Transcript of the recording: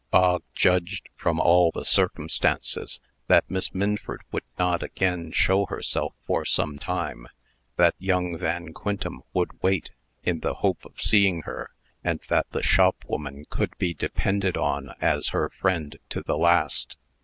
Bog judged, from all the circumstances, that Miss Minford would not again show herself for some time; that young Van Quintem would wait, in the hope of seeing her; and that the shopwoman could be depended on as her friend to the last.